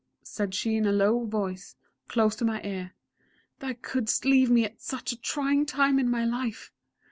said she in a low voice, close to my ear: "Thou couldst leave me at such a trying time in my life?...